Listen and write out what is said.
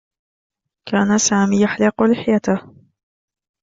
كان سامي يحلق لحيته.